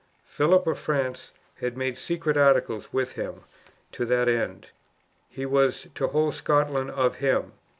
Philip of France had made secret articles with him to that end. He was to hold Scotland of him.